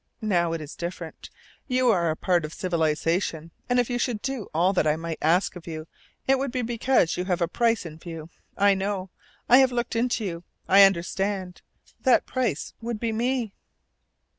Now it is different. You are a part of civilization, and if you should do all that I might ask of you it would be because you have a price in view. I know. I have looked into you. I understand. That price would be ME!"